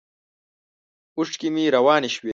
اوښکې مې روانې شوې.